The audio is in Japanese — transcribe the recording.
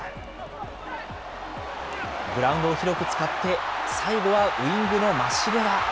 グラウンドを広く使って、最後はウイングのマシレワ。